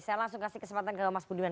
saya langsung kasih kesempatan ke mas budiman